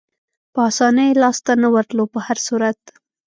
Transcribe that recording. په اسانۍ یې لاسته نه ورتلو، په هر صورت.